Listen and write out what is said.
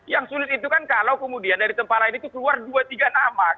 yang sulit itu kan kalau kemudian dari tempat lain itu keluar dua tiga nama